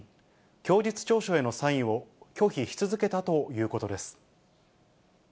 供述調書へのサインを拒否し続けたということです。